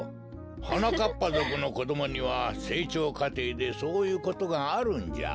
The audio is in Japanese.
はなかっぱぞくのこどもにはせいちょうかていでそういうことがあるんじゃ。